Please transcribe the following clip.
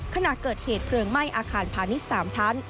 ขณะเกิดเหตุเพลิงไหม้อาคารพาณิชย์๓ชั้น